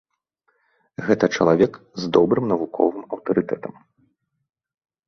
Гэта чалавек з добрым навуковым аўтарытэтам.